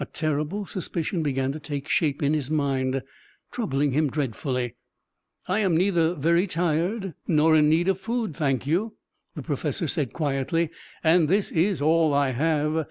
A terrible suspicion began to take shape in his mind, troubling him dreadfully. "I am neither very tired, nor in need of food, thank you," the professor said quietly. "And this is all I have.